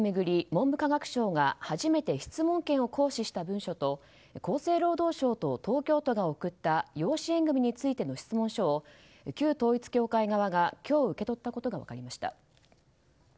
文部科学省が初めて質問権を行使した文書と厚生労働省と東京都が送った養子縁組についての質問書を旧統一教会側が今日受け取ったことが分かりました。